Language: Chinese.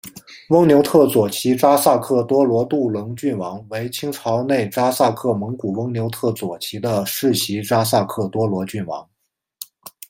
翁牛特左旗扎萨克多罗杜棱郡王为清朝内扎萨克蒙古翁牛特左旗的世袭扎萨克多罗郡王。